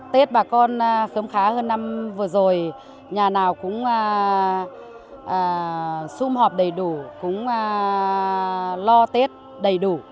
tết bà con khơm khá hơn năm vừa rồi nhà nào cũng xung họp đầy đủ cũng lo tết đầy đủ